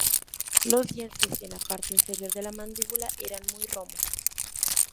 Los dientes en la parte inferior de las mandíbulas eran muy romos.